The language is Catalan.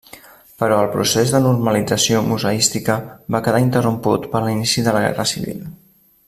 Però el procés de normalització museística va quedar interromput per l'inici de la guerra civil.